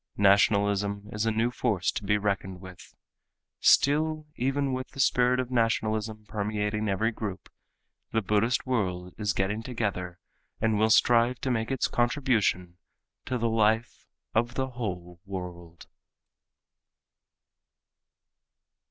Nationalism is a new force to be reckoned with. Still even with the spirit of nationalism permeating every group, the Buddhist world is getting together and will strive to make its contribution to the life of the whole world.